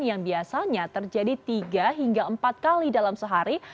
yang biasanya terjadi tiga hingga empat kali dalam sehari